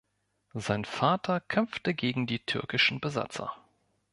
Sein Vater kämpfte gegen die türkischen Besatzer.